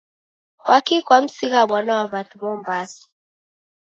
Kwaki kwamsigha mwana wa w'andu Mombasa?